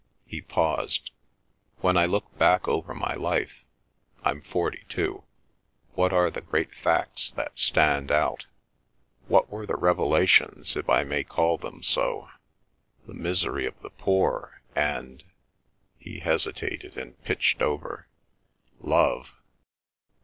He paused. "When I look back over my life—I'm forty two—what are the great facts that stand out? What were the revelations, if I may call them so? The misery of the poor and—" (he hesitated and pitched over) "love!"